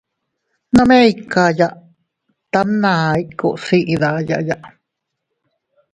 Nome iykaya tamʼna ikuus iʼi dayaya.